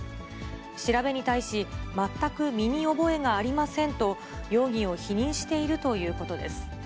調べに対し全く身に覚えがありませんと、容疑を否認しているということです。